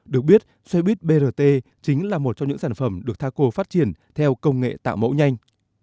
được biết xe buýt brt chính là một trong những sản phẩm được taco phát triển theo công nghệ tạo mẫu nhanh